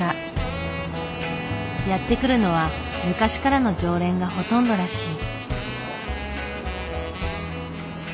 やって来るのは昔からの常連がほとんどらしい。